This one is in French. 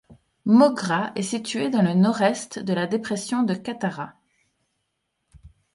Moghra est située dans le nord-est de la dépression de Qattara.